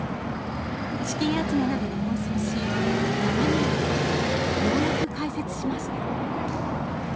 資金集めなどに奔走し、７年をかけ、ようやく開設しました。